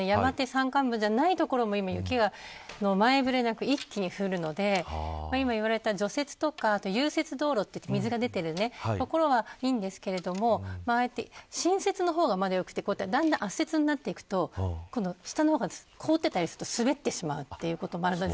山間部じゃない所も、雪が前触れなく一気に降るので今言われた除雪とか融雪道路って水が出ている所はいいんですが新雪の方がまだ良くてだんだん圧雪になっていくと下の方が凍っていたりすると滑ってしまうこともあります。